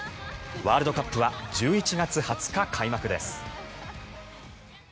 ワールドカップは１１月２０日開幕です。